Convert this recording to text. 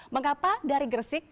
mengapa dari gresik